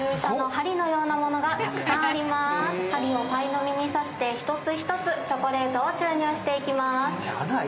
針をパイの実に差して一つ一つチョコレートを注入していきます。